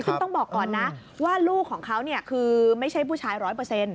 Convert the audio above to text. ซึ่งต้องบอกก่อนนะว่าลูกของเขาคือไม่ใช่ผู้ชายร้อยเปอร์เซ็นต